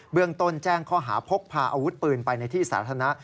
เรื่องต้นแจ้งข้อหาพกพาอาวุธปืนไปในที่สาธารณะ